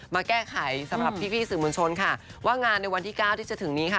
มาแก้ไขสำหรับพี่สื่อมุญชนว่างานในวันที่๙ที่จะถึงนี้